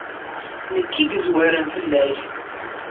Nekk i yezwaren fell-ak.